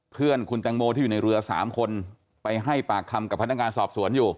เพื่อนคุณแตงโมที่อยู่ในเรือ๓คนไปให้ปากคำกับพนักงานสอบสวนอยู่